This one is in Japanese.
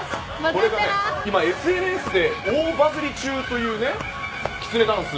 これが今、ＳＮＳで大バズり中というきつねダンス。